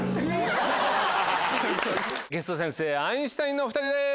ゲスト先生アインシュタインのお２人です。